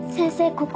ここ。